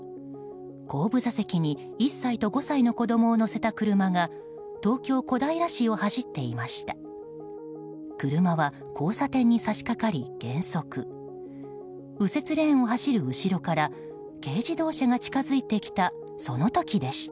後部座席に１歳と５歳の子供を乗せた車が東京・小平市を走っていました。